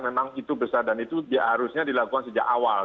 memang itu besar dan itu harusnya dilakukan sejak awal